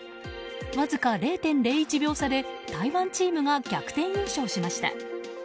わずか０．０１秒差で台湾チームが逆転優勝しました。